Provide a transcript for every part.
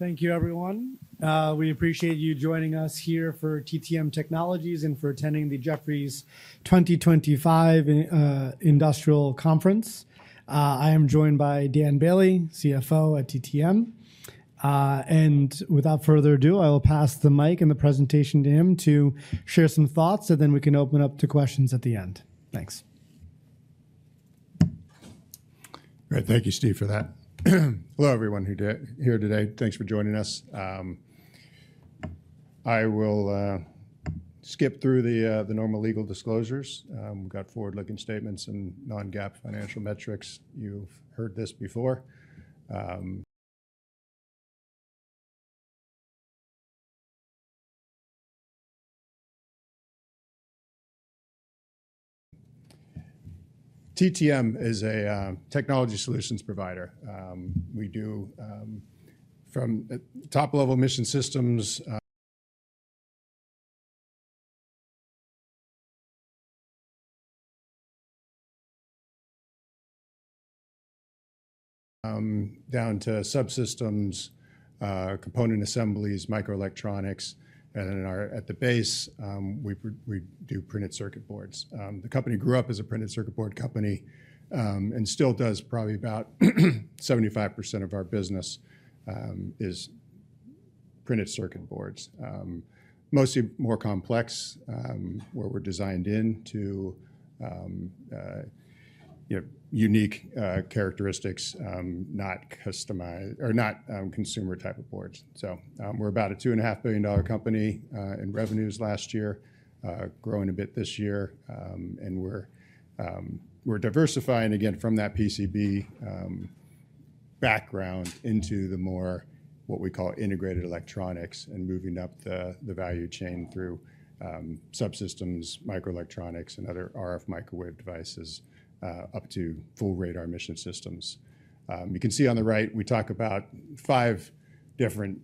... Thank you, everyone. We appreciate you joining us here for TTM Technologies and for attending the Jefferies 2025 Industrial Conference. I am joined by Dan Bailey, CFO at TTM. And without further ado, I will pass the mic and the presentation to him to share some thoughts, and then we can open up to questions at the end. Thanks. All right. Thank you, Steve, for that. Hello, everyone who's here today. Thanks for joining us. I will skip through the normal legal disclosures. We've got forward-looking statements and non-GAAP financial metrics. You've heard this before. TTM is a technology solutions provider. We do from top-level mission systems down to subsystems, component assemblies, microelectronics, and then at the base, we do printed circuit boards. The company grew up as a printed circuit board company, and still does probably about 75% of our business is printed circuit boards. Mostly more complex, where we're designed in to unique characteristics, you know, not customized or not consumer-type of boards. So, we're about a $2.5 billion company in revenues last year, growing a bit this year. And we're diversifying again from that PCB background into the more, what we call integrated electronics, and moving up the value chain through subsystems, microelectronics, and other RF microwave devices up to full radar mission systems. You can see on the right, we talk about five different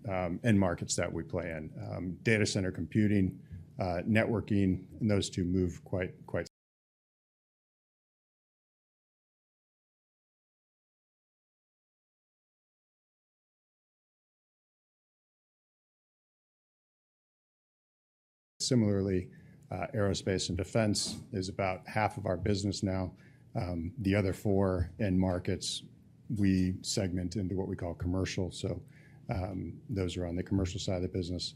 end markets that we play in. Data center computing, networking, and those two move quite similarly. Aerospace and defense is about half of our business now. The other four end markets, we segment into what we call commercial. So, those are on the commercial side of the business.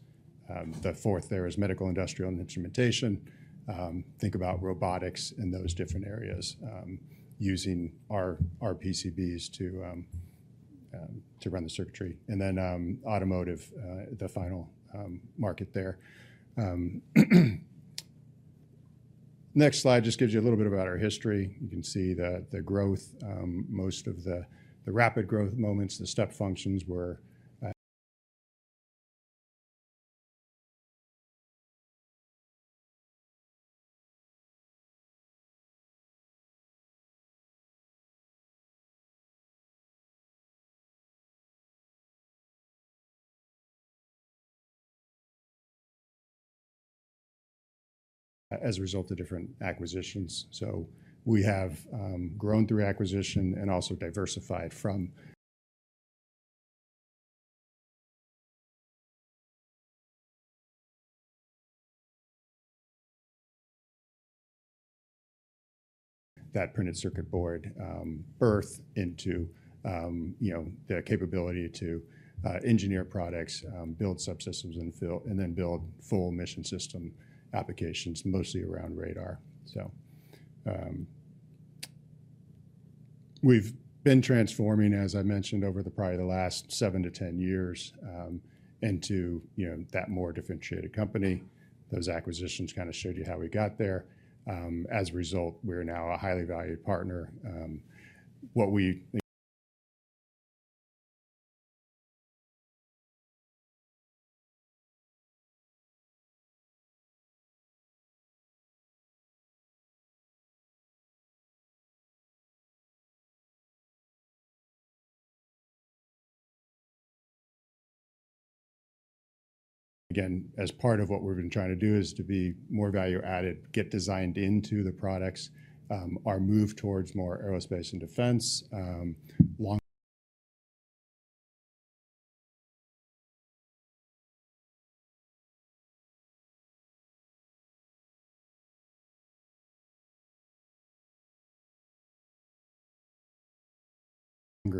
The fourth there is medical, industrial, and instrumentation. Think about robotics in those different areas using our PCBs to run the circuitry. Then automotive, the final market there. Next slide just gives you a little bit about our history. You can see the growth, most of the rapid growth moments, the step functions were as a result of different acquisitions. We have grown through acquisition and also diversified from that printed circuit board birth into you know the capability to engineer products, build subsystems and RF, and then build full mission system applications, mostly around radar. We've been transforming, as I mentioned, over probably the last seven to 10 years, into you know that more differentiated company. Those acquisitions kinda showed you how we got there. As a result, we are now a highly valued partner. Again, as part of what we've been trying to do, is to be more value-added, get designed into the products, our move towards more aerospace and defense, longer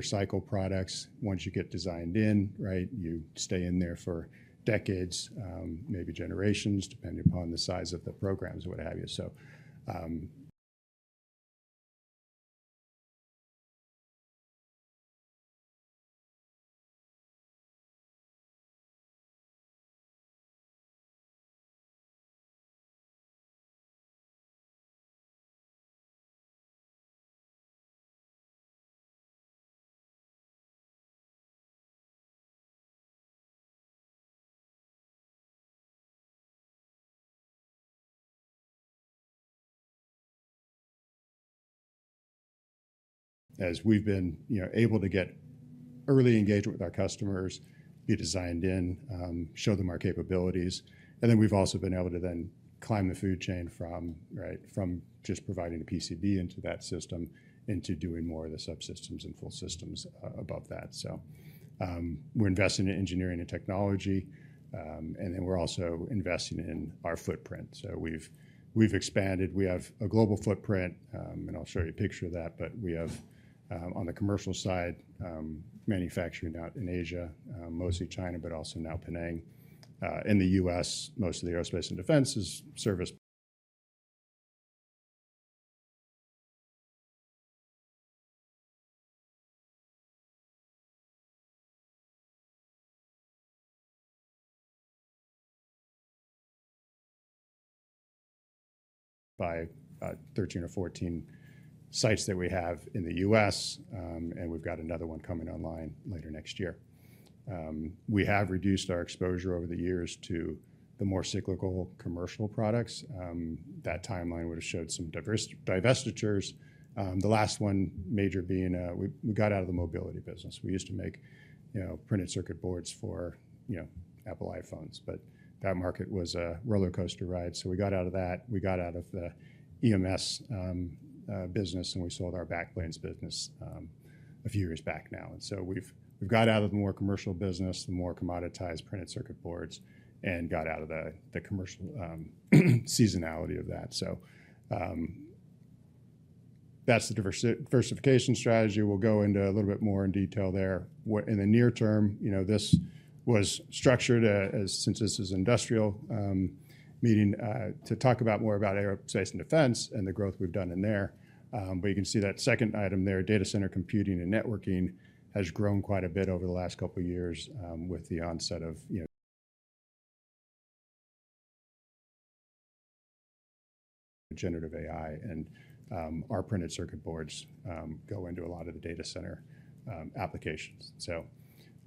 cycle products. Once you get designed in, right, you stay in there for decades, maybe generations, depending upon the size of the programs, what have you. So. As we've been, you know, able to get early engagement with our customers, be designed in, show them our capabilities, and then we've also been able to then climb the food chain from, right, from just providing a PCB into that system, into doing more of the subsystems and full systems, above that. So, we're investing in engineering and technology, and then we're also investing in our footprint. So we've expanded. We have a global footprint, and I'll show you a picture of that. But we have, on the commercial side, manufacturing out in Asia, mostly China, but also now Penang. In the U.S., most of the aerospace and defense is serviced by, thirteen or fourteen sites that we have in the U.S., and we've got another one coming online later next year. We have reduced our exposure over the years to the more cyclical commercial products. That timeline would've showed some divestitures. The last one, major being, we got out of the mobility business. We used to make, you know, printed circuit boards for, you know, Apple iPhones, but that market was a rollercoaster ride, so we got out of that. We got out of the EMS business, and we sold our backplanes business a few years back now. And so we've got out of the more commercial business, the more commoditized printed circuit boards, and got out of the commercial seasonality of that. So that's the diversification strategy. We'll go into a little bit more in detail there. In the near term, you know, this was structured as since this is industrial meeting to talk about more about aerospace and defense and the growth we've done in there. But you can see that second item there, data center computing and networking, has grown quite a bit over the last couple of years, with the onset of, you know, generative AI and our printed circuit boards go into a lot of the data center applications. So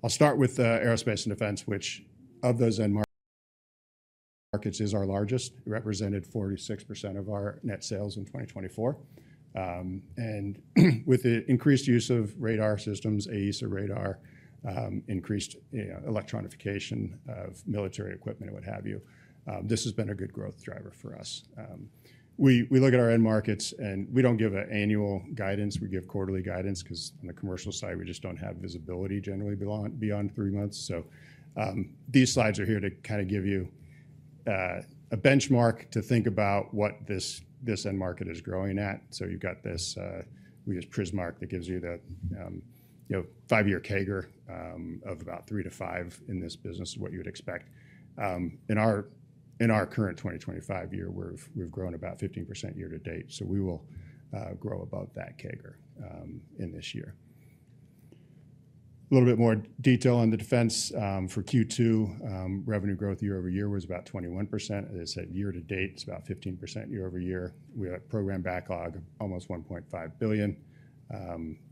I'll start with the aerospace and defense, which of those end markets is our largest. It represented 46% of our net sales in 2024. And with the increased use of radar systems, AESA radar, increased electrification of military equipment and what have you, this has been a good growth driver for us. We look at our end markets, and we don't give annual guidance. We give quarterly guidance, 'cause on the commercial side, we just don't have visibility generally beyond three months. So these slides are here to kinda give you a benchmark to think about what this end market is growing at. So you've got this: we use Prismark that gives you the you know five-year CAGR of about 3%-5% in this business is what you would expect. In our current 2025 year we've grown about 15% year to date so we will grow above that CAGR in this year. A little bit more detail on the defense. For Q2 revenue growth year over year was about 21%. As I said year to date it's about 15% year over year. We had program backlog of almost $1.5 billion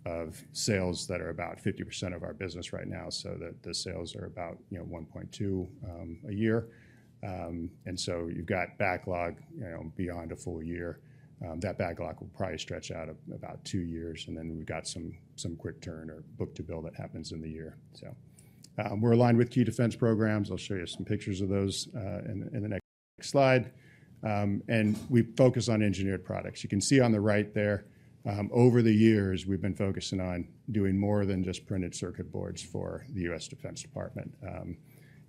of sales that are about 50% of our business right now, so the sales are about, you know, $1.2 billion a year. And so you've got backlog, you know, beyond a full year. That backlog will probably stretch out about two years, and then we've got some quick turn or book-to-bill that happens in the year. So, we're aligned with key defense programs. I'll show you some pictures of those in the next slide. And we focus on engineered products. You can see on the right there, over the years, we've been focusing on doing more than just printed circuit boards for the U.S. Department of Defense.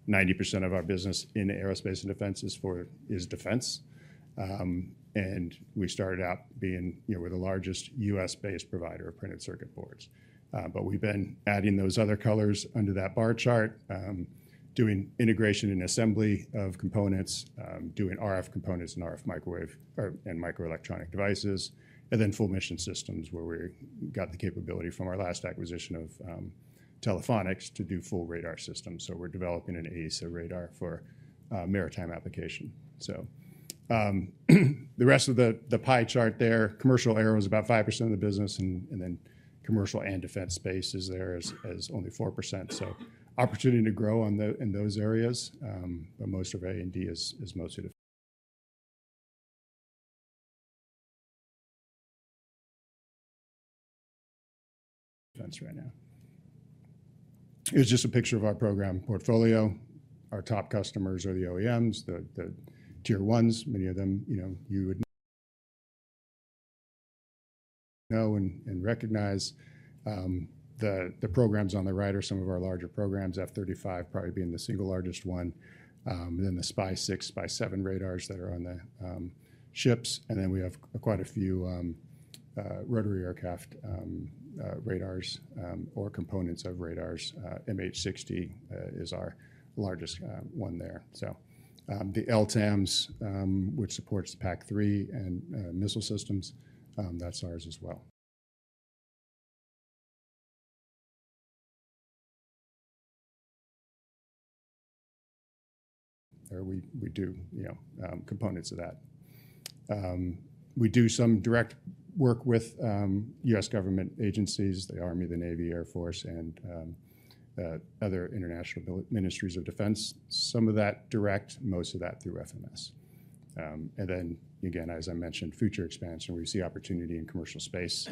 90% of our business in aerospace and defense is for defense. And we started out being, you know, we're the largest U.S.-based provider of printed circuit boards. But we've been adding those other colors under that bar chart, doing integration and assembly of components, doing RF components and RF microwave and microelectronic devices, and then full mission systems, where we got the capability from our last acquisition of Telephonics to do full radar systems. So we're developing an AESA radar for maritime application. So the rest of the pie chart there, commercial aero is about 5% of the business, and then commercial and defense space is there as only 4%. So opportunity to grow in those areas, but most of A&D is mostly defense right now. It's just a picture of our program portfolio. Our top customers are the OEMs, the tier ones, many of them, you know, you would know and recognize. The programs on the right are some of our larger programs, F-35 probably being the single largest one, and then the SPY-6, SPY-7 radars that are on the ships. And then we have quite a few rotary aircraft radars or components of radars. MH-60 is our largest one there. So, the LTAMDS, which supports the PAC-3 and missile systems, that's ours as well. We do, you know, components of that. We do some direct work with U.S. government agencies, the Army, the Navy, Air Force, and other international Ministries of Defense. Some of that direct, most of that through FMS. And then again, as I mentioned, future expansion, where we see opportunity in commercial space,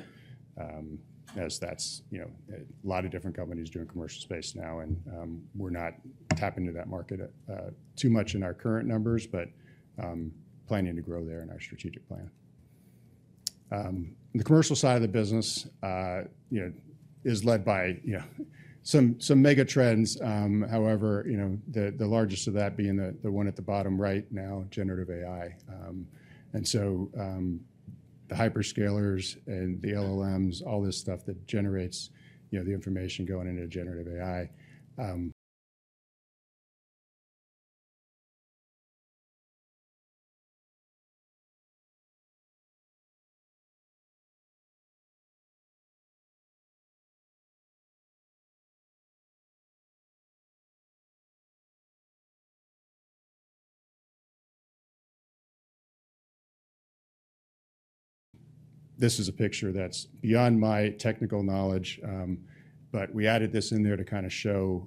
as that's, you know, a lot of different companies doing commercial space now, and we're not tapping to that market too much in our current numbers, but planning to grow there in our strategic plan. The commercial side of the business, you know, is led by, you know, some mega trends. However, you know, the largest of that being the one at the bottom right now, generative AI. And so, the hyperscalers and the LLMs, all this stuff that generates, you know, the information going into generative AI. This is a picture that's beyond my technical knowledge, but we added this in there to kinda show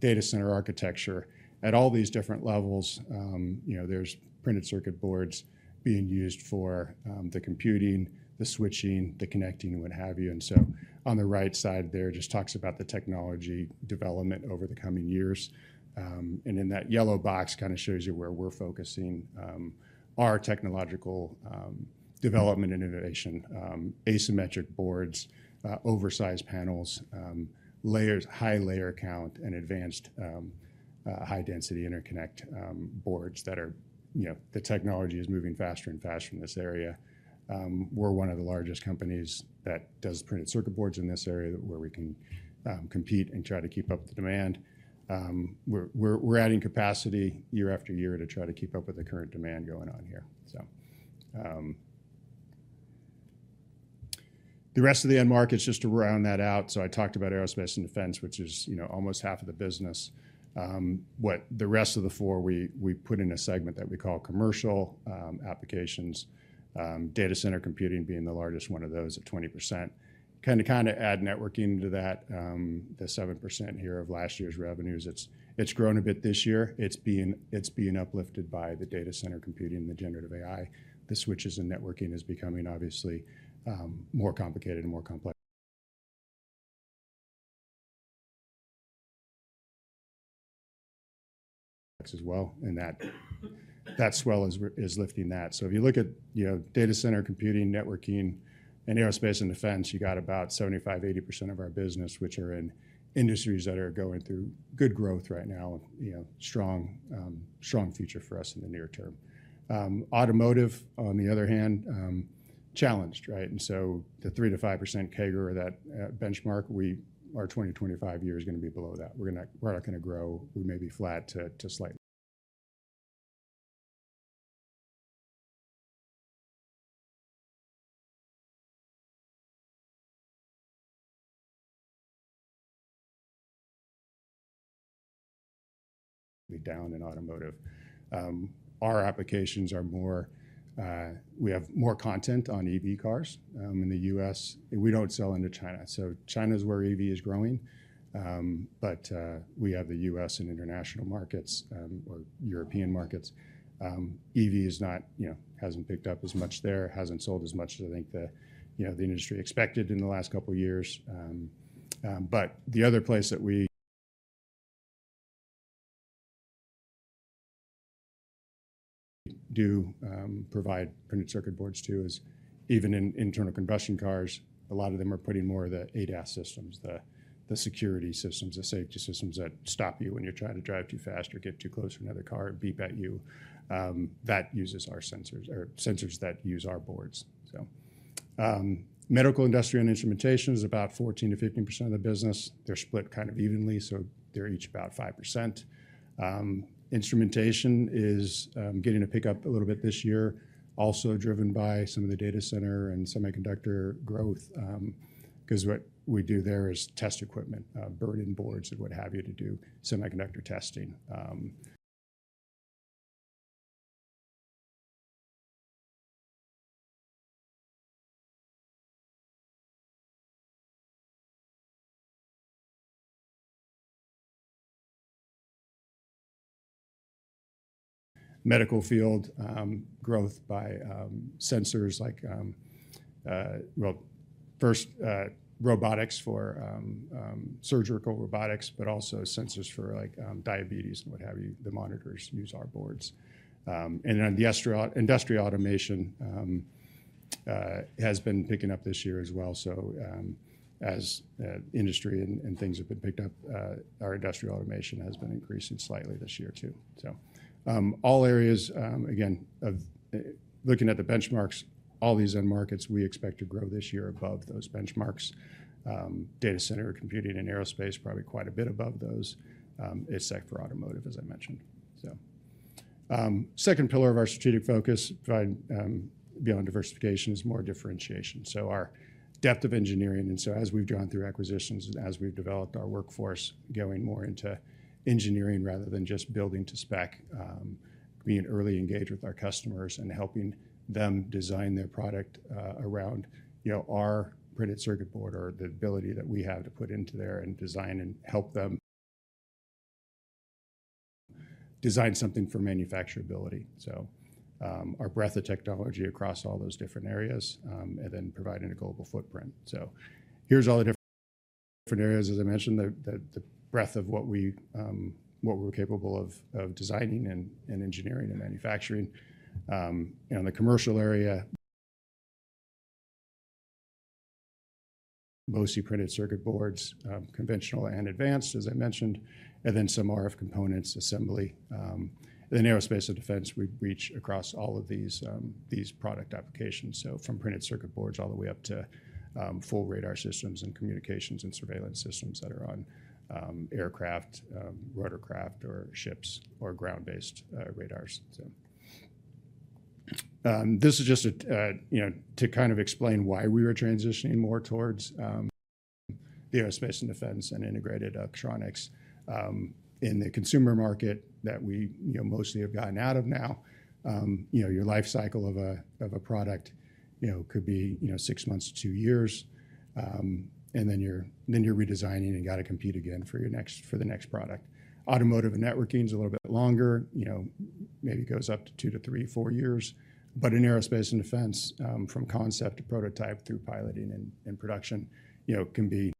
data center architecture at all these different levels. You know, there's printed circuit boards being used for the computing, the switching, the connecting, what have you. And so on the right side there, it just talks about the technology development over the coming years, and in that yellow box, it kinda shows you where we're focusing our technological development and innovation. Asymmetric boards, oversized panels, high layer count, and advanced high-density interconnect boards that are, you know, the technology is moving faster and faster in this area. We're one of the largest companies that does printed circuit boards in this area, where we can compete and try to keep up with the demand. We're adding capacity year after year to try to keep up with the current demand going on here. The rest of the end markets, just to round that out, I talked about aerospace and defense, which is, you know, almost half of the business. The rest of the four, we put in a segment that we call commercial applications, data center computing being the largest one of those at 20%. Kind of add networking to that, the 7% here of last year's revenues. It's grown a bit this year. It's being uplifted by the data center computing, the Generative AI. The switches in networking is becoming obviously more complicated and more complex as well, and that swell is lifting that. So if you look at, you know, data center computing, networking, and aerospace and defense, you got about 75%-80% of our business, which are in industries that are going through good growth right now, you know, strong, strong future for us in the near term. Automotive, on the other hand, challenged, right? And so the 3%-5% CAGR or that benchmark, our 20-25 year is gonna be below that. We're not gonna grow. We may be flat to slightly be down in automotive. Our applications are more... We have more content on EV cars, in the U.S. We don't sell into China, so China's where EV is growing. But we have the U.S. and international markets, or European markets. EV is not, you know, hasn't picked up as much there, hasn't sold as much as I think, you know, the industry expected in the last couple of years, but the other place that we do provide printed circuit boards to is even in internal combustion cars. A lot of them are putting more of the ADAS systems, the security systems, the safety systems that stop you when you're trying to drive too fast or get too close to another car. It beep at you. That uses our sensors or sensors that use our boards, so. Medical, industrial, and instrumentation is about 14%-15% of the business. They're split kind of evenly, so they're each about 5%. Instrumentation is getting to pick up a little bit this year, also driven by some of the data center and semiconductor growth, 'cause what we do there is test equipment, burn-in boards and what have you, to do semiconductor testing. Medical field growth by sensors like, well, first, robotics for surgical robotics, but also sensors for, like, diabetes and what have you. The monitors use our boards. Then the aerospace and industrial automation has been picking up this year as well. As industry and things have picked up, our industrial automation has been increasing slightly this year, too. All areas, again, of looking at the benchmarks, all these end markets we expect to grow this year above those benchmarks. Data center, computing, and aerospace, probably quite a bit above those, except for automotive, as I mentioned, so second pillar of our strategic focus provide beyond diversification is more differentiation, so our depth of engineering, and so as we've gone through acquisitions and as we've developed our workforce, going more into engineering rather than just building to spec, being early engaged with our customers and helping them design their product around, you know, our printed circuit board or the ability that we have to put into there and design and help them design something for manufacturability, so our breadth of technology across all those different areas, and then providing a global footprint, so here's all the different areas, as I mentioned, the breadth of what we're capable of designing and engineering and manufacturing. You know, in the commercial area, mostly printed circuit boards, conventional and advanced, as I mentioned, and then some RF components, assembly. In aerospace and defense, we reach across all of these, these product applications. So from printed circuit boards all the way up to full radar systems and communications and surveillance systems that are on aircraft, rotorcraft or ships or ground-based radars. So this is just, you know, to kind of explain why we are transitioning more towards the aerospace and defense and integrated electronics in the consumer market that we, you know, mostly have gotten out of now. You know, your life cycle of a product, you know, could be, you know, six months to two years. And then you're redesigning and you gotta compete again for the next product. Automotive and networking is a little bit longer, you know, maybe goes up to 2-3 years, four years. But in aerospace and defense, from concept to prototype through piloting and production, you know, can be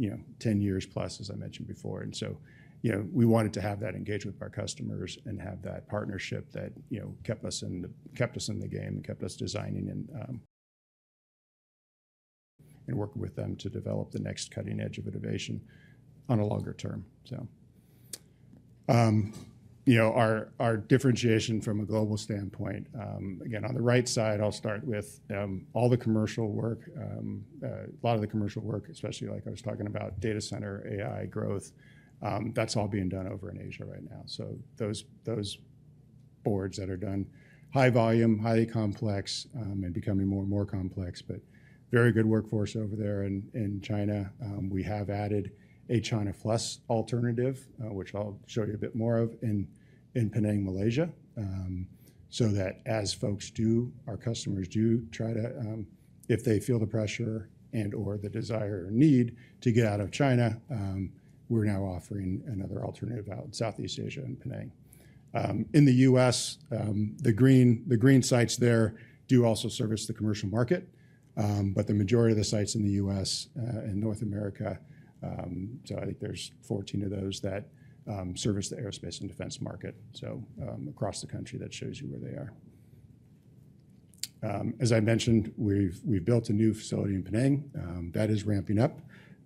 10 years plus, as I mentioned before. And so, you know, we wanted to have that engagement with our customers and have that partnership that, you know, kept us in the game and kept us designing and working with them to develop the next cutting edge of innovation on a longer term. So, you know, our differentiation from a global standpoint, again, on the right side, I'll start with all the commercial work. A lot of the commercial work, especially like I was talking about data center, AI growth, that's all being done over in Asia right now so those boards that are done, high volume, highly complex, and becoming more and more complex, but very good workforce over there in China. We have added a China plus alternative, which I'll show you a bit more of in Penang, Malaysia so that as folks do, our customers do try to, if they feel the pressure and/or the desire or need to get out of China, we're now offering another alternative out in Southeast Asia, in Penang. In the U.S., the green sites there do also service the commercial market but the majority of the sites in the U.S., and North America.I think there's 14 of those that service the aerospace and defense market. Across the country, that shows you where they are. As I mentioned, we've built a new facility in Penang that is ramping up.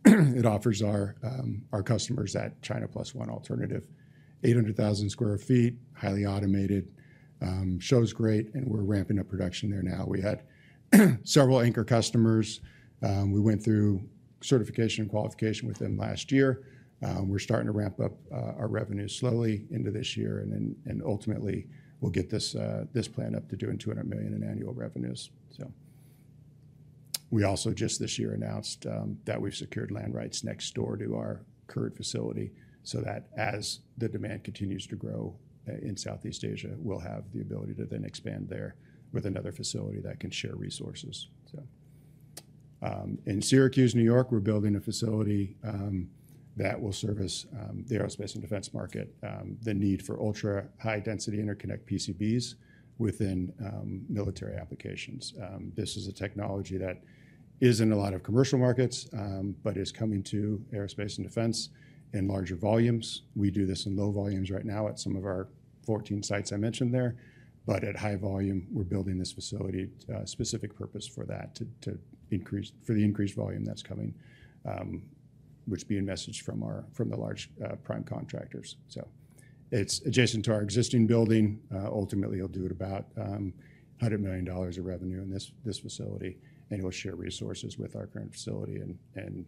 It offers our customers that China Plus One alternative. 800,000 sq ft, highly automated, shows great, and we're ramping up production there now. We had several anchor customers. We went through certification and qualification with them last year. We're starting to ramp up our revenues slowly into this year, and then and ultimately, we'll get this plant up to doing $200 million in annual revenues. We also just this year announced, that we've secured land rights next door to our current facility, so that as the demand continues to grow, in Southeast Asia, we'll have the ability to then expand there with another facility that can share resources. So, in Syracuse, New York, we're building a facility, that will service, the aerospace and defense market, the need for ultra-high-density interconnect PCBs within, military applications. This is a technology that is in a lot of commercial markets, but is coming to aerospace and defense in larger volumes. We do this in low volumes right now at some of our fourteen sites I mentioned there, but at high volume, we're building this facility specific purpose for that, to increase for the increased volume that's coming, which being messaged from our from the large prime contractors, so it's adjacent to our existing building. Ultimately, it'll do about $100 million of revenue in this facility, and we'll share resources with our current facility and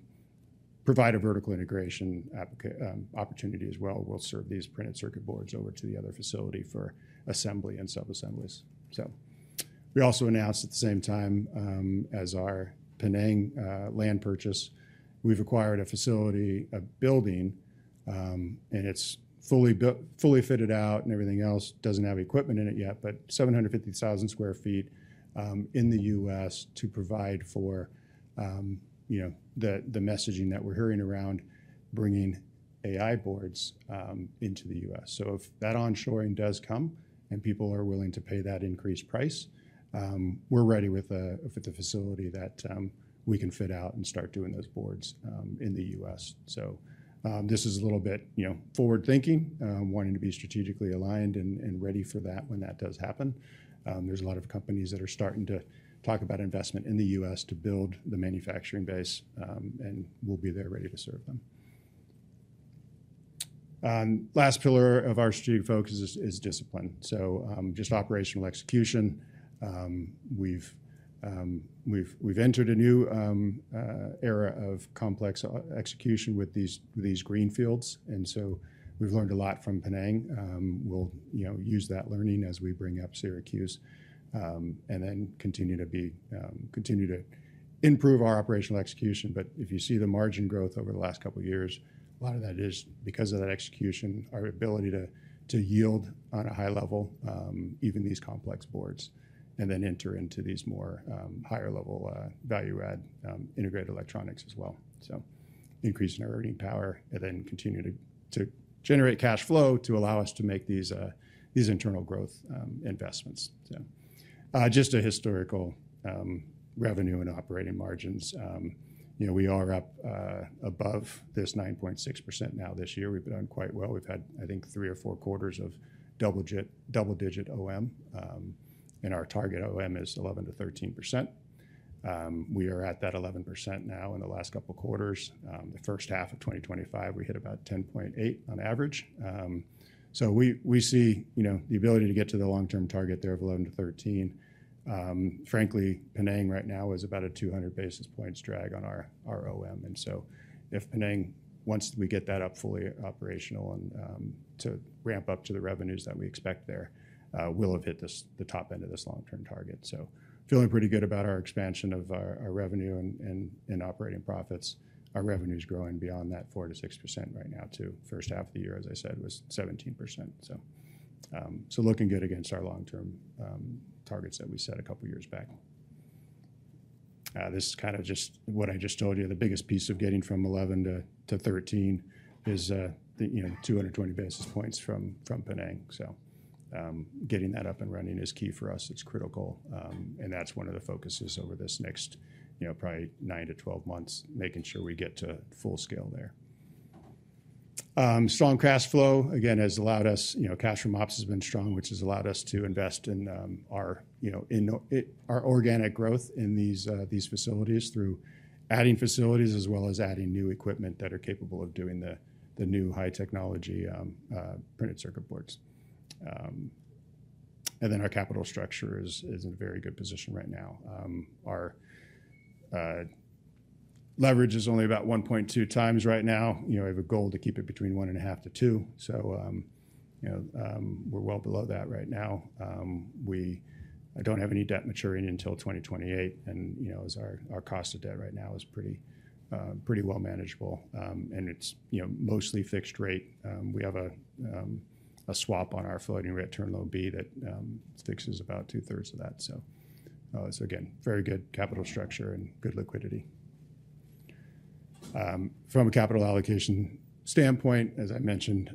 provide a vertical integration application opportunity as well. We'll serve these printed circuit boards over to the other facility for assembly and subassemblies, so we also announced at the same time as our Penang land purchase, we've acquired a facility, a building, and it's fully fitted out, and everything else. Doesn't have equipment in it yet, but 750,000 sq ft in the U.S., to provide for, you know, the messaging that we're hearing around bringing AI boards into the U.S. So if that onshoring does come, and people are willing to pay that increased price, we're ready with a facility that we can fit out and start doing those boards in the U.S. So, this is a little bit, you know, forward-thinking, wanting to be strategically aligned and ready for that when that does happen. There's a lot of companies that are starting to talk about investment in the U.S. to build the manufacturing base, and we'll be there ready to serve them. Last pillar of our strategic focus is discipline. So, just operational execution. We've entered a new era of complex execution with these greenfields, and so we've learned a lot from Penang. We'll, you know, use that learning as we bring up Syracuse, and then continue to improve our operational execution. But if you see the margin growth over the last couple of years, a lot of that is because of that execution, our ability to yield on a high level, even these complex boards, and then enter into these more higher level value add integrated electronics as well. So increase in our earning power and then continue to generate cash flow to allow us to make these internal growth investments. So just a historical revenue and operating margins. You know, we are up above this 9.6% now this year. We've done quite well. We've had, I think, three or four quarters of double-digit OM, and our target OM is 11%-13%. We are at that 11% now in the last couple quarters. The first half of 2025, we hit about 10.8% on average. So we see, you know, the ability to get to the long-term target there of 11%-13%. Frankly, Penang right now is about a 200 basis points drag on our OM, and so if Penang, once we get that up fully operational and to ramp up to the revenues that we expect there, we'll have hit this, the top end of this long-term target, so feeling pretty good about our expansion of our revenue and operating profits. Our revenue's growing beyond that 4% to 6% right now, too. First half of the year, as I said, was 17%. Looking good against our long-term targets that we set a couple of years back. This is kind of just what I just told you. The biggest piece of getting from 11 to 13 is the you know 220 basis points from Penang. Getting that up and running is key for us, it's critical. That's one of the focuses over this next you know probably nine to 12 months, making sure we get to full scale there. Strong cash flow, again, has allowed us. You know, cash from ops has been strong, which has allowed us to invest in our, you know, in our organic growth in these facilities through adding facilities, as well as adding new equipment that are capable of doing the new high technology printed circuit boards. And then our capital structure is in a very good position right now. Our leverage is only about 1.2x right now. You know, we have a goal to keep it between one and a half to two. So, you know, we're well below that right now. I don't have any debt maturing until 2028, and, you know, as our cost of debt right now is pretty well manageable. And it's, you know, mostly fixed rate. We have a swap on our floating rate Term Loan B that fixes about two-thirds of that. So again, very good capital structure and good liquidity. From a capital allocation standpoint, as I mentioned,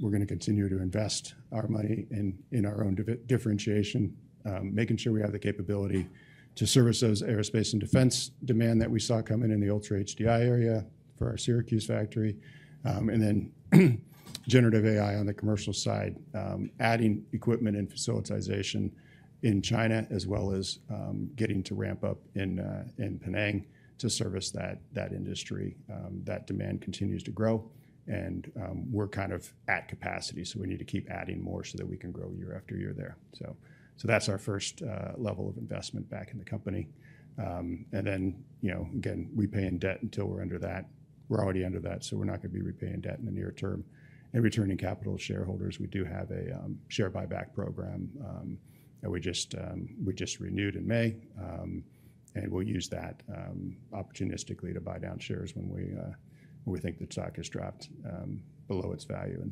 we're gonna continue to invest our money in our own differentiation, making sure we have the capability to service those aerospace and defense demand that we saw coming in the Ultra-HDI area for our Syracuse factory, and then Generative AI on the commercial side, adding equipment and facilitation in China, as well as getting to ramp up in Penang to service that industry. That demand continues to grow and we're kind of at capacity, so we need to keep adding more so that we can grow year after year there. So that's our first level of investment back in the company. And then, you know, again, repaying debt until we're under that. We're already under that, so we're not gonna be repaying debt in the near term and returning capital to shareholders. We do have a share buyback program that we just renewed in May. And we'll use that opportunistically to buy down shares when we think the stock has dropped below its value.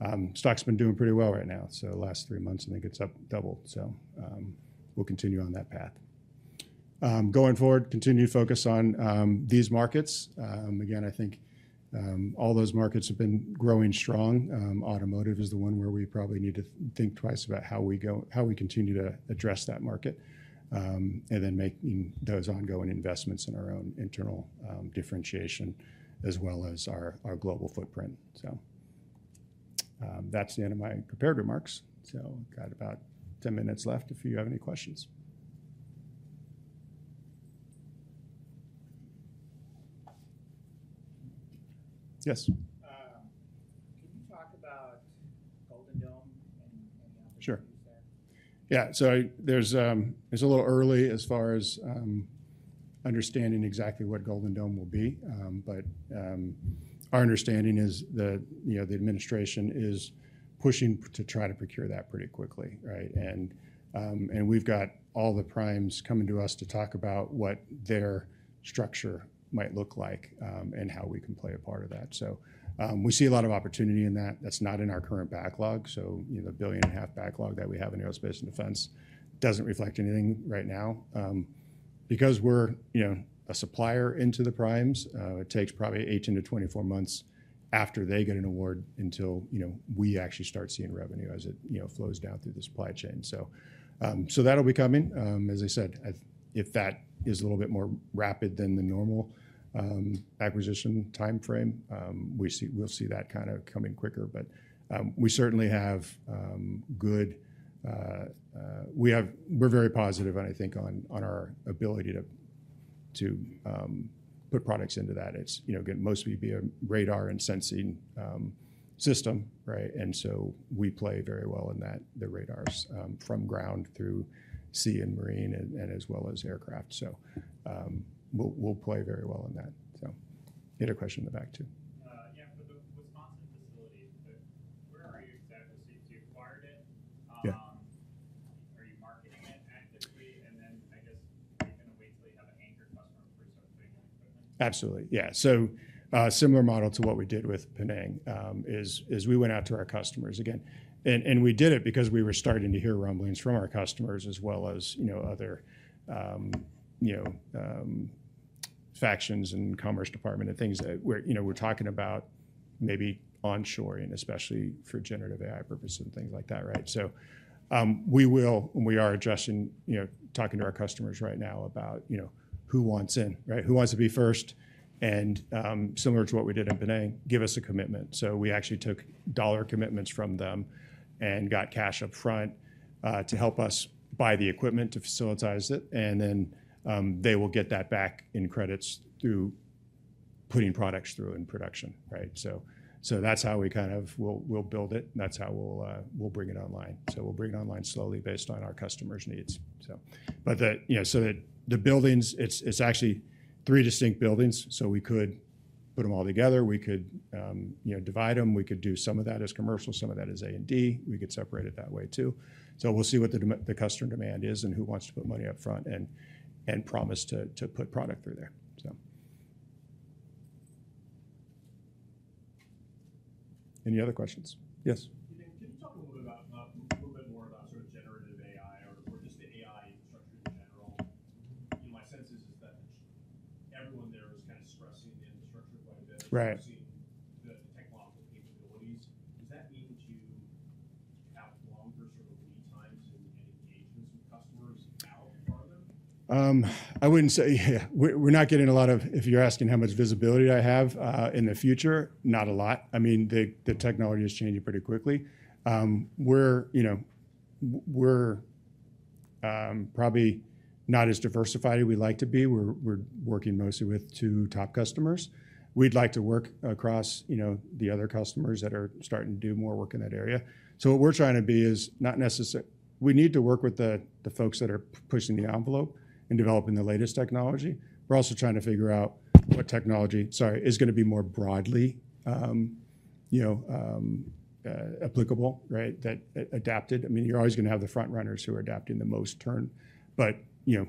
And stock's been doing pretty well right now. The last three months, I think it's up doubled. We'll continue on that path. Going forward, continue to focus on these markets. Again, I think all those markets have been growing strong. Automotive is the one where we probably need to think twice about how we continue to address that market. And then making those ongoing investments in our own internal differentiation, as well as our global footprint. So, that's the end of my prepared remarks. So got about 10 minutes left if you have any questions. Yes? Can you talk about Golden Dome and the opportunities there? Sure. Yeah, so there's... It's a little early as far as understanding exactly what Golden Dome will be. But our understanding is that, you know, the administration is pushing to try to procure that pretty quickly, right? And we've got all the primes coming to us to talk about what their structure might look like, and how we can play a part of that. So we see a lot of opportunity in that. That's not in our current backlog, so, you know, the $1.5 billion backlog that we have in aerospace and defense doesn't reflect anything right now. Because we're, you know, a supplier into the primes, it takes probably 18-24 months after they get an award until, you know, we actually start seeing revenue as it, you know, flows down through the supply chain. So, so that'll be coming. As I said, if that is a little bit more rapid than the normal acquisition timeframe, we'll see that kind of coming quicker. But we certainly have good. We're very positive and I think on our ability to put products into that. It's, you know, mostly be a radar and sensing system, right? And so we play very well in that, the radars from ground through sea and marine and as well as aircraft. So we'll play very well in that. So you had a question in the back, too. Yeah. For the Wisconsin facility, where are you exactly? So you acquired it. Yeah... are you marketing it actively? And then I guess, are you gonna wait till you have an anchor customer before starting equipment? Absolutely, yeah. So, similar model to what we did with Penang, is we went out to our customers again. And we did it because we were starting to hear rumblings from our customers as well as, you know, other factions and Commerce Department and things that we're, you know, talking about maybe onshoring, especially for generative AI purposes and things like that, right? So, we will, and we are addressing, you know, talking to our customers right now about, you know, who wants in, right? Who wants to be first? And, similar to what we did in Penang, give us a commitment. We actually took dollar commitments from them and got cash upfront to help us buy the equipment to facilitate it, and then they will get that back in credits through putting products through in production, right? So that's how we kind of will build it, and that's how we'll bring it online. We'll bring it online slowly based on our customers' needs. But the buildings, you know, the buildings, it's actually three distinct buildings, so we could put them all together, we could divide them. We could do some of that as commercial, some of that as A and D. We could separate it that way too. So we'll see what the customer demand is and who wants to put money up front and promise to put product through there. Any other questions? Yes.Can you talk a little about a little bit more about sort of generative AI or just the AI structure in general? You know, my sense is that everyone there is kind of stressing the infrastructure quite a bit- Right ... stressing the technological capabilities. Does that mean to have longer sort of lead times and engagements with customers out farther? I wouldn't say yeah, we're not getting a lot of... If you're asking how much visibility I have in the future, not a lot. I mean, the technology is changing pretty quickly. We're, you know, probably not as diversified as we'd like to be. We're working mostly with two top customers. We'd like to work across, you know, the other customers that are starting to do more work in that area. So what we're trying to be is not necessarily we need to work with the folks that are pushing the envelope and developing the latest technology. We're also trying to figure out what technology, sorry, is gonna be more broadly, you know, applicable, right? That adapted. I mean, you're always gonna have the front runners who are adapting the most turn. But, you know,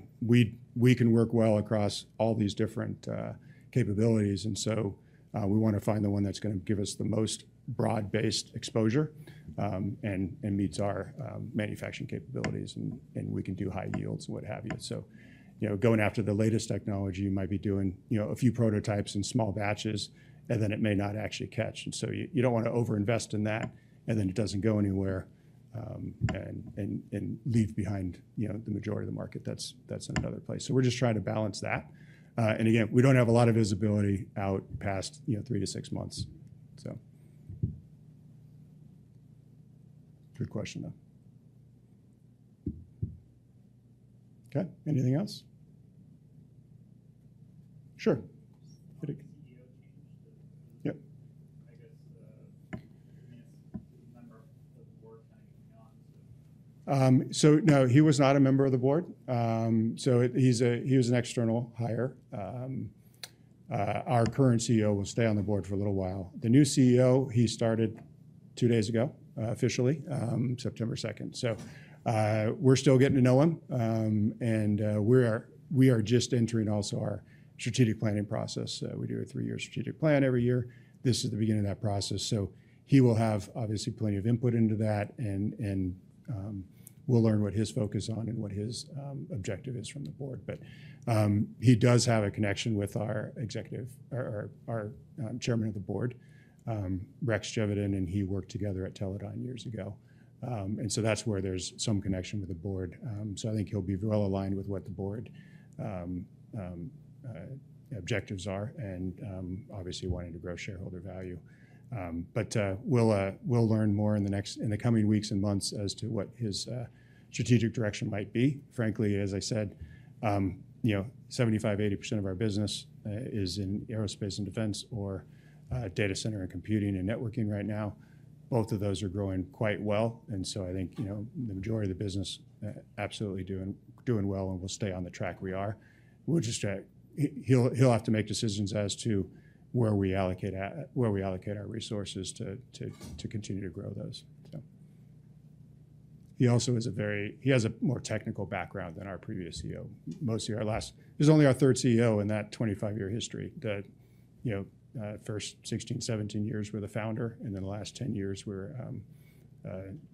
we can work well across all these different capabilities, and so we want to find the one that's gonna give us the most broad-based exposure and meets our manufacturing capabilities, and we can do high yields and what have you. So, you know, going after the latest technology, you might be doing a few prototypes and small batches, and then it may not actually catch, and so you don't want to over-invest in that, and then it doesn't go anywhere and leave behind the majority of the market that's in another place. So we're just trying to balance that. And again, we don't have a lot of visibility out past three to six months, so. Good question, though. Okay, anything else? Sure. The CEO change the- Yep. I guess, he is a member of the board kind of beyond, so. No, he was not a member of the board. So he was an external hire. Our current CEO will stay on the board for a little while. The new CEO, he started two days ago, officially, September 2nd. So we're still getting to know him. And we are just entering also our strategic planning process. We do a three-year strategic plan every year. This is the beginning of that process, so he will have, obviously, plenty of input into that, and we'll learn what his focus on and what his objective is from the board. But he does have a connection with our executive or our chairman of the board. Rex Geveden and he worked together at Teledyne years ago. So that's where there's some connection with the board. So I think he'll be well aligned with what the board objectives are, and obviously wanting to grow shareholder value. But we'll learn more in the coming weeks and months as to what his strategic direction might be. Frankly, as I said, you know, 75%-80% of our business is in aerospace and defense or data center and computing and networking right now. Both of those are growing quite well, and so I think, you know, the majority of the business absolutely doing well and will stay on the track we are. We'll just... He'll have to make decisions as to where we allocate our resources to continue to grow those, so. He also has a more technical background than our previous CEO. He's only our third CEO in that twenty-five-year history that, you know, first sixteen, seventeen years were the founder, and then the last ten years were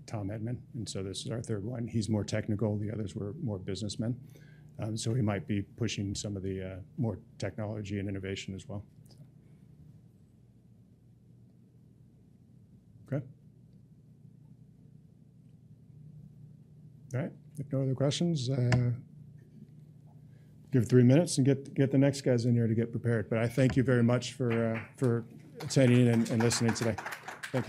Tom Edman, and so this is our third one. He's more technical, the others were more businessmen, so he might be pushing some of the more technology and innovation as well. Okay. All right, if no other questions, give three minutes and get the next guys in here to get prepared, but I thank you very much for attending and listening today. Thank you.